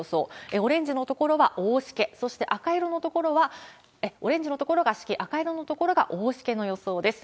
オレンジの所は大しけ、そして赤色の所は、オレンジの所がしけ、赤色の所が大しけの予想です。